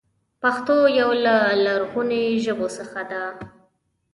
پښتو يو له لرغونو ژبو څخه ده.